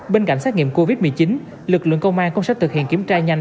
bên cạnh xét nghiệm covid một mươi chín lực lượng công an cũng sẽ thực hiện kiểm tra nhanh